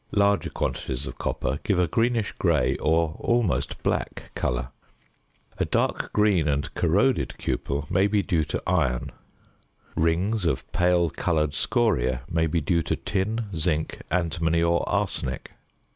Larger quantities of copper give a greenish grey or almost black colour. A dark green and corroded cupel may be due to iron. Rings of pale coloured scoria may be due to tin, zinc, antimony, or arsenic.